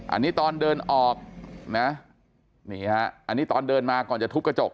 อันนี้ตอนเดินออกนะนี่ฮะอันนี้ตอนเดินมาก่อนจะทุบกระจก